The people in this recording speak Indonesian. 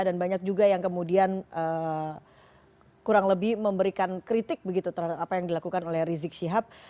dan banyak juga yang kemudian kurang lebih memberikan kritik begitu terhadap apa yang dilakukan oleh rizik syihab